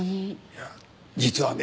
いや実はね